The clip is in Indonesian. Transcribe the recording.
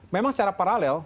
memang secara paralel